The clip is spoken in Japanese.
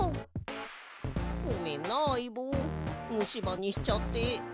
ごめんなあいぼうむしばにしちゃって。